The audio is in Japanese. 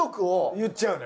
言っちゃうの。